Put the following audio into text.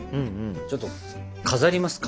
ちょっと飾りますか？